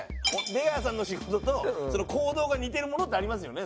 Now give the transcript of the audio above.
出川さんの仕事と行動が似てるものってありますよね。